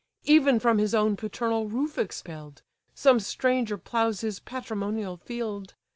Even from his own paternal roof expell'd, Some stranger ploughs his patrimonial field.